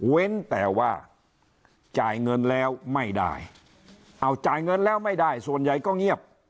แต่ว่าจ่ายเงินแล้วไม่ได้เอาจ่ายเงินแล้วไม่ได้ส่วนใหญ่ก็เงียบ